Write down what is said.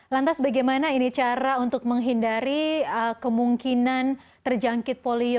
lantas bagaimana ini cara untuk menghindari kemungkinan terjangkit polio